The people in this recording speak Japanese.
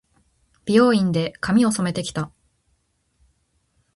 美容院で、髪を染めて来た。